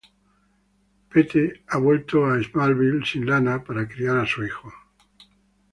Pete ha vuelto a Smallville sin Lana para criar a su hijo.